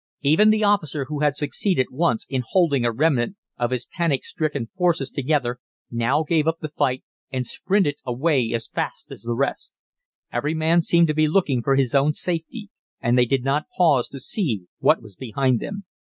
Even the officer who had succeeded once in holding a remnant of his panic stricken forces together, now gave up the fight and sprinted away as fast as the rest. Every man seemed to be looking for his own safety, and they did not pause to see what was behind them.